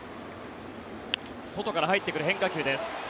外から入ってくる変化球です。